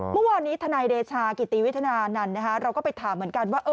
เมื่อวานนี้ทนายเดชากิติวิทนานันต์เราก็ไปถามเหมือนกันว่า